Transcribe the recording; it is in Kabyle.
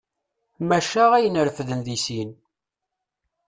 Maca ayen refden deg sin.